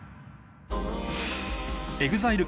ＥＸＩＬＥ